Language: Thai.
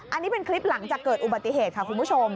อันนี้เป็นคลิปหลังจากเกิดอุบัติเหตุค่ะคุณผู้ชม